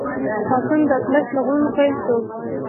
پاڅون د طالش له غرونو پیل شو.